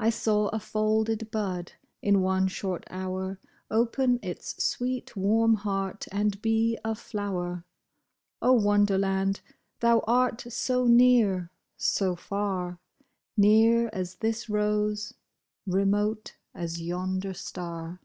I saw a folded bud, in one short hour. Open its sweet, warm heart and be a flower. O Wonderland ! thou art so near, so far ; Near as this rose, remote as yonder star